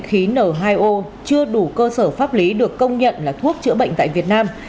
khí n hai o chưa đủ cơ sở pháp lý được công nhận là thuốc chữa bệnh tại việt nam